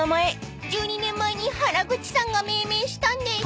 １２年前に原口さんが命名したんです］